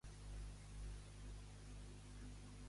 És possible que em preparis un cafè?